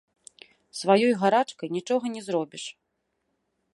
Сваёй гарачкай нічога не зробіш.